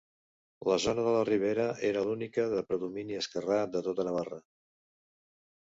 La zona de la Ribera era l'única de predomini esquerrà de tota Navarra.